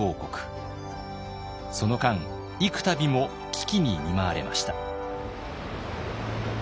その間幾たびも危機に見舞われました。